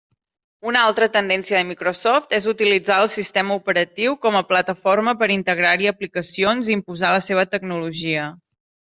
Una altra tendència de Microsoft és utilitzar el sistema operatiu com a plataforma per integrar-hi aplicacions i imposar la seva tecnologia.